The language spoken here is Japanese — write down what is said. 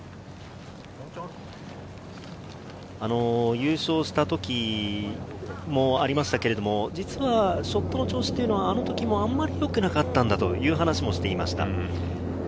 優勝した時もありましたが、実はショットの調子というのは、あの時もあまり良くなかったんだという話もしていました。